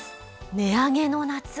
値上げの夏。